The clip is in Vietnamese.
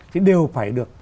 thì đều phải được